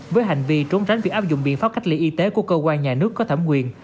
với hành vi trốn tránh việc áp dụng biện pháp cách ly y tế của cơ quan nhà nước có thẩm quyền